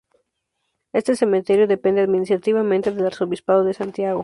Este cementerio depende administrativamente del arzobispado de Santiago.